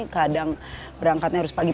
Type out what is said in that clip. kadang berangkatnya harus pagi